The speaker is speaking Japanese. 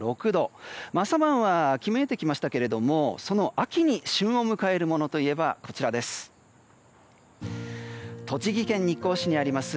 朝晩は冷えてきましたけれどもその秋に旬を迎えるものといえば栃木県日光市にあります